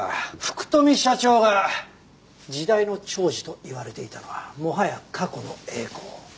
福富社長が時代の寵児といわれていたのはもはや過去の栄光。